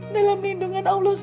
dalam lindungan allah swt